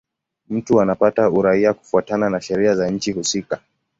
Mtu anapata uraia kufuatana na sheria za nchi husika.